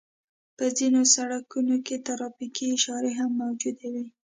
په ځينو سړکونو کې ترافيکي اشارې هم موجودې وي.